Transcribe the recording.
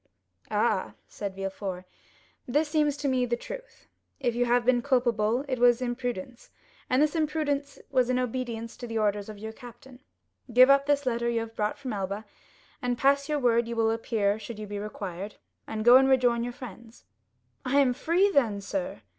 "Ah," said Villefort, "this seems to me the truth. If you have been culpable, it was imprudence, and this imprudence was in obedience to the orders of your captain. Give up this letter you have brought from Elba, and pass your word you will appear should you be required, and go and rejoin your friends. "I am free, then, sir?"